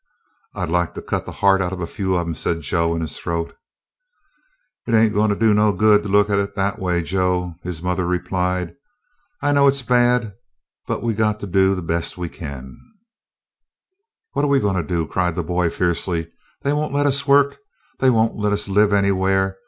"I 'd like to cut the heart out of a few of 'em," said Joe in his throat. "It ain't goin' to do no good to look at it that a way, Joe," his mother replied. "I know hit 's ha'd, but we got to do de bes' we kin." "What are we goin' to do?" cried the boy fiercely. "They won't let us work. They won't let us live anywhaih.